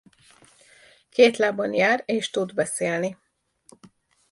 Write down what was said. Két lábon jár és tud beszélni.